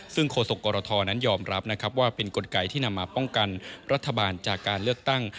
ซึ่งโฆษกรทนั้นยอมรับนะครับว่าเป็นกลไกที่นำมาป้องกันรัฐบาลจากการเลือกตั้ง